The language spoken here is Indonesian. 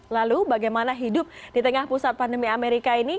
lalu bagaimana hidup di tengah pusat pandemi amerika ini